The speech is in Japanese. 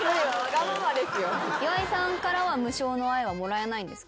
岩井さんからは無償の愛はもらえないんですか？